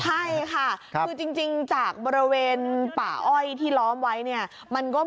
ไก่ไปแล้วไก่ไปแล้วไก่ไปแล้ว